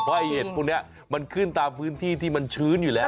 เพราะไอ้เห็ดพวกนี้มันขึ้นตามพื้นที่ที่มันชื้นอยู่แล้ว